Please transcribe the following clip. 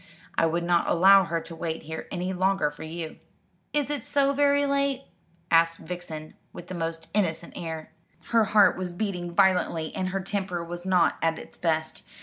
I would not allow her to wait here any longer for you." "Is it so very late?" asked Vixen, with the most innocent air. Her heart was beating violently, and her temper was not at its best.